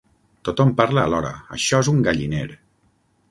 Tothom parla alhora: això és un galliner!